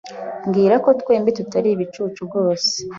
Mbwira ko twembi tutari ibicucu rwose.